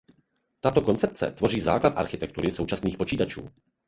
Tato koncepce tvoří základ architektury současných počítačů.